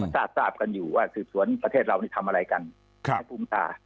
มาซาบกันอยู่ว่าคือสวนประเทศเรานี่ทำอะไรกันไอ้ภูมิชา